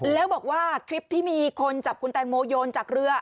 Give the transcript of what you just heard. แล้วบอกว่าคลิปที่มีคนจับคุณแตงโมโยนจากเรือ